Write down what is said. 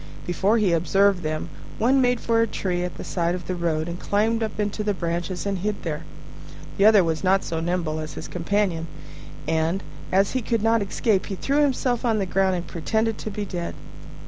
Before he observed them, one made for a tree at the side of the road, and climbed up into the branches and hid there. The other was not so nimble as his companion; and, as he could not escape, he threw himself on the ground and pretended to be dead.